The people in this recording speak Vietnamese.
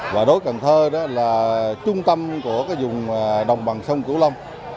đối với cần thơ là trung tâm của dùng đồng bằng sông cửu long